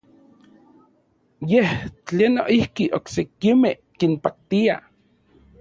Yej tlen noijki oksekimej kinpaktia.